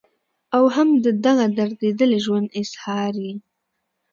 او هم د دغه درديدلي ژوند اظهار ئې